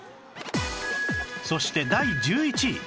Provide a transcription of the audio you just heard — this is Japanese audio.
そして第１１位